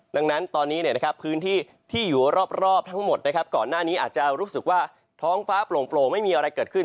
ดังนั้นตอนนี้พื้นที่ที่อยู่รอบทั้งหมดก่อนหน้านี้อาจจะรู้สึกว่าท้องฟ้าโปร่งไม่มีอะไรเกิดขึ้น